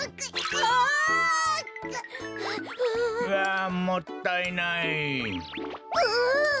あもったいない。